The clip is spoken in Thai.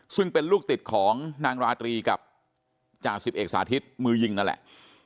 ซึ่งเป็นลูกติดของนางราตรีกับจ่าสิบเอกสาธิตมือยิงนั่นแหละ